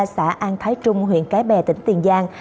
xã an thái trung huyện cái bè tỉnh tiền giang